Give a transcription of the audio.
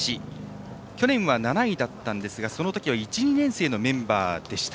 去年は７位だったんですがその時は１、２年生のメンバーでした。